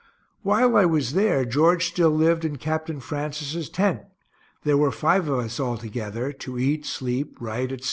While I was there George still lived in Capt. Francis's tent there were five of us altogether, to eat, sleep, write, etc.